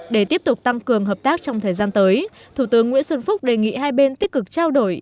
để tiếp tục tăng cường hợp tác trong thời gian tới thủ tướng nguyễn xuân phúc đề nghị hai bên tích cực trao đổi